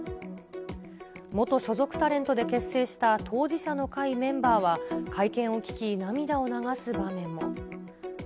元所属タレントで結成した当事者の会メンバーは、会見を聞き、涙を流す場面も。